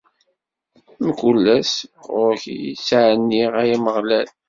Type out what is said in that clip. Mkul ass, ar ɣur-k i ttɛenniɣ, ay Ameɣlal.